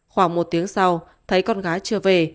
khoảng một tiếng sau thấy con gái chưa về